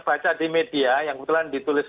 baca di media yang kebetulan ditulis